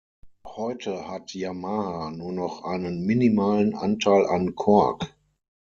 Heute hat Yamaha nur noch einen minimalen Anteil an Korg.